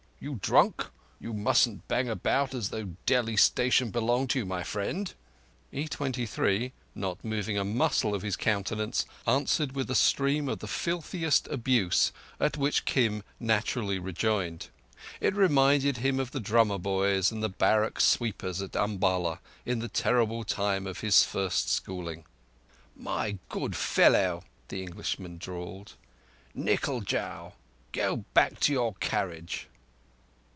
_ You drunk? You mustn't bang about as though Delhi station belonged to you, my friend." E23, not moving a muscle of his countenance, answered with a stream of the filthiest abuse, at which Kim naturally rejoiced. It reminded him of the drummer boys and the barrack sweepers at Umballa in the terrible time of his first schooling. "My good fool," the Englishman drawled. "Nickle jao! Go back to your carriage."